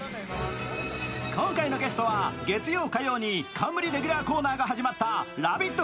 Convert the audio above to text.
今回のゲストは月曜、火曜に冠レギュラーコーナーが始まった「ラヴィット！」